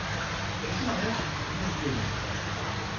De ce mariage, naissent deux enfants.